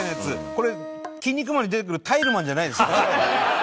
これ『キン肉マン』に出てくるタイルマンじゃないです。